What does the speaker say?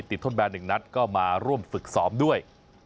ติดทดแบนหนึ่งนัดก็มาร่วมฝึกซ้อมด้วย